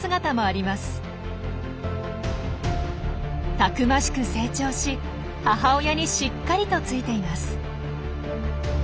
たくましく成長し母親にしっかりとついています。